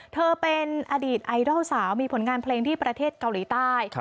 เธอเป็นอดีตไอดอลสาวมีผลงานเพลงที่ประเทศเกาหลีใต้